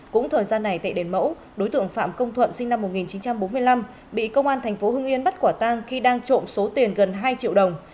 cũng thời gian này tại đền mẫu đối tượng phạm công thuận sinh năm một nghìn chín trăm bốn mươi năm bị công an thành phố hưng yên bắt quả tang khi đang trộm số tiền gần hai triệu đồng